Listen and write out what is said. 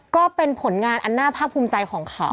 ก็เป็นผลงานอันน่าภาคภูมิใจของเขา